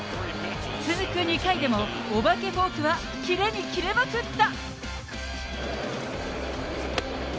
続く２回でも、お化けフォークがキレにキレまくった。